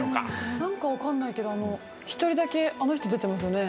何か分かんないけど一人だけあの人出てますよね。